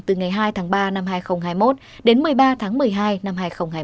từ ngày hai tháng ba năm hai nghìn hai mươi một đến một mươi ba tháng một mươi hai năm hai nghìn hai mươi